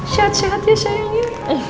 sehat sehat ya sayangnya